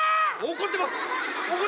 怒ってます！